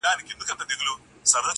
• پلار چوپتيا کي عذاب وړي تل..